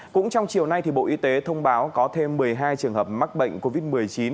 cũng trong chiều nay bộ y tế thông báo có thêm một mươi hai trường hợp mắc bệnh covid một mươi chín